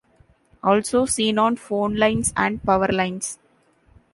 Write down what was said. Also seen on phone lines and power lines.